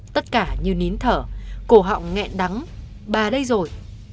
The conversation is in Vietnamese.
tất cả như nín thở cổ họng nghẹn đắng ba đây rồi